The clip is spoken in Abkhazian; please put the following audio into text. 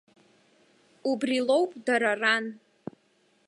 Убри лоуп дара ран.